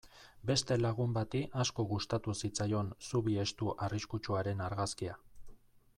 Beste lagun bati asko gustatu zitzaion zubi estu arriskutsuaren argazkia.